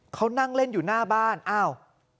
เขานั่งเล่นอยู่หน้าบ้านอ้าว